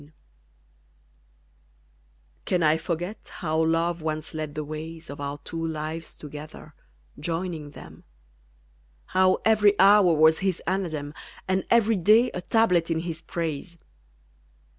_ Can I forget how LOVE once led the ways Of our two lives together, joining them; How every hour was his anadem, And every day a tablet in his praise!